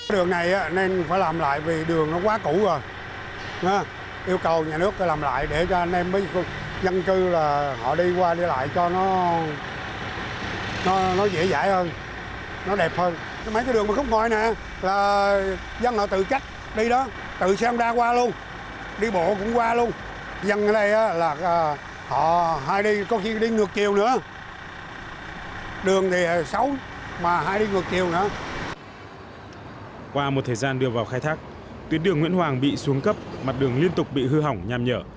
tuyến đường nguyễn hoàng bị xuống cấp mặt đường liên tục bị hư hỏng nhằm nhở